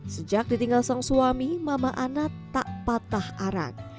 sejak ditinggal sang suami mama ana tak patah arang